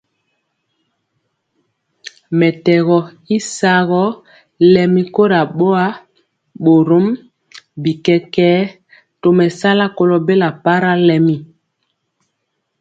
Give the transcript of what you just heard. Mɛtɛgɔ y sagɔ lɛmi kora boa, borom bi kɛkɛɛ tomesala kolo bela para lɛmi.